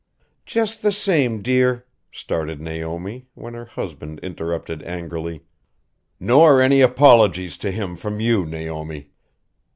"Just the same, dear " started Naomi, when her husband interrupted angrily "Nor any apologies to him from you, Naomi.